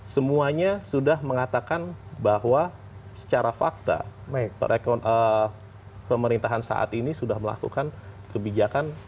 semuanya sudah mengatakan bahwa secara fakta pemerintahan saat ini sudah melakukan kebijakan